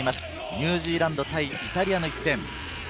ニュージーランド対イタリアの一戦。